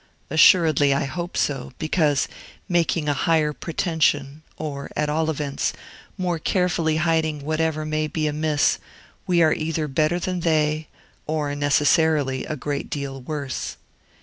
Assuredly, I hope so, because, making a higher pretension, or, at all events, more carefully hiding whatever may be amiss, we are either better than they, or necessarily a great deal worse.